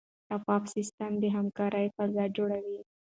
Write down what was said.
شفاف سیستم د همکارۍ فضا جوړوي.